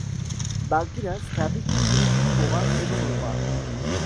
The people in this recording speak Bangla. বাকীরা স্লাভিক ভাষাভাষী পোমাক এবং রোমা।